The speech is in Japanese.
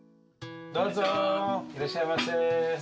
どうぞ、いらっしゃいませ。